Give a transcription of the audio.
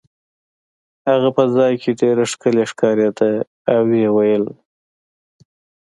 هغه په ځای کې ډېره ښکلې ښکارېده او ویې ویل.